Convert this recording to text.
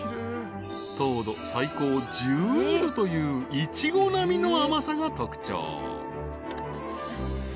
［糖度最高１２度というイチゴ並みの甘さが特徴］